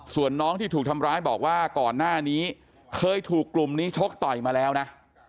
ส่วนน้องที่ถูกทำร้ายบอกว่าก่อนหน้านี้เคยถูกกลุ่มนี้ชกต่อยมาแล้วนะ